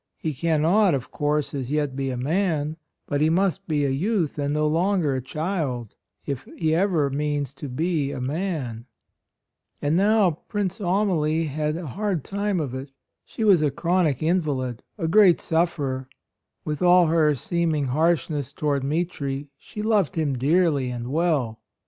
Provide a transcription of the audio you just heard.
He can not, of course, as yet be a man; but he must be a youth and no longer a child, if he ever means to be a man." And now Princess Amalie had 52 A ROYAL SON a hard time of it. She was a chronic invalid, a great sufferer. With all her seeming harshness toward Mitri, she loved him dearly and well.